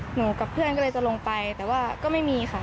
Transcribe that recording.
หนูกับเพื่อนก็เลยจะลงไปแต่ว่าก็ไม่มีค่ะ